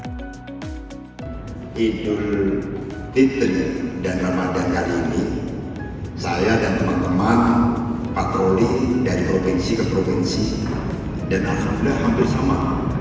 pada idul fitri dan ramadan kali ini saya dan teman teman patroli dari provinsi ke provinsi dan alhamdulillah hampir sama